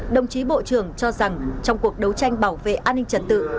đồng chí bộ trưởng cho rằng trong cuộc đấu tranh bảo vệ an ninh trật tự